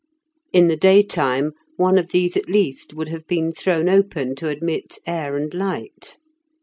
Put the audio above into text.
In the daytime one of these at least would have been thrown open to admit air and light.